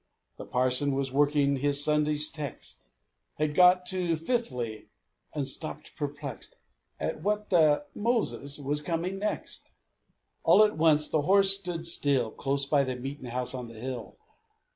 The parson was working his Sunday's text Had got to fifthly, and stopped perplexed At what the Moses was coming next. All at once the horse stood still, Close by the meet'n' house on the hill.